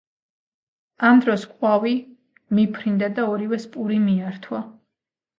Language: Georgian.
ამ დროს ყვავი მიფრინდა და ორივეს პური მიართვა.